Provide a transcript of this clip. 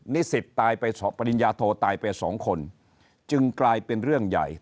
นิสิตตายไปปริญญาโทตายไปสองคนจึงกลายเป็นเรื่องใหญ่